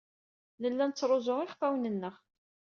Nella nettruẓu iɣfawen-nneɣ.